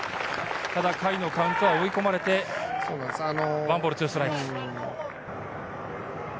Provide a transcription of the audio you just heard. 甲斐のカウントは追い込まれて、１ボール２ストライク。